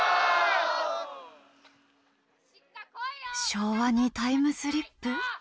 昭和にタイムスリップ？